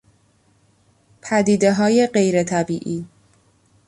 پدیدههای غیر طبیعی